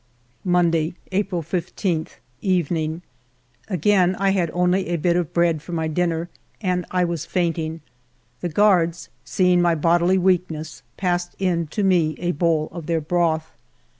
Monday^ April 15, evening. Again I had only a bit of bread for my dinner, and I was fainting. The guards, seeing my bod ily weakness, passed in to me a bowl of their broth.